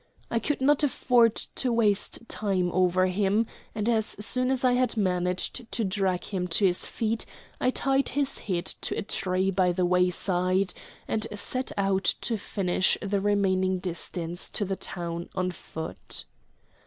I could not afford to waste time over him, and as soon as I had managed to drag him to his feet I tied his head to a tree by the wayside, and set out to finish the remaining distance to the town on foot.